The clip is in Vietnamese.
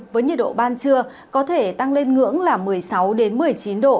với nhiệt độ ban trưa có thể tăng lên ngưỡng là một mươi sáu một mươi chín độ